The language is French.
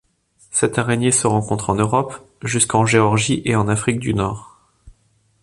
Cette araignée se rencontre en Europe jusqu'en Géorgie et en Afrique du Nord.